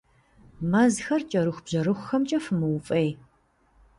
Мэзхэр кӀэрыхубжьэрыхухэмкӀэ фымыуфӀей.